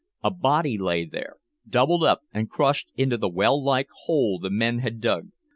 A body lay there, doubled up and crushed into the well like hole the men had dug.